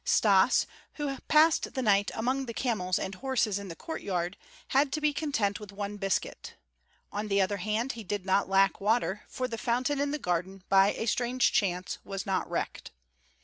Stas, who passed the night among the camels and horses in the courtyard, had to be content with one biscuit; on the other hand, he did not lack water, for the fountain in the garden, by a strange chance, was not wrecked.